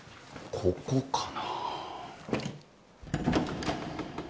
ここかな。